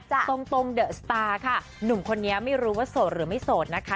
ตรงตรงเดอะสตาร์ค่ะหนุ่มคนนี้ไม่รู้ว่าโสดหรือไม่โสดนะคะ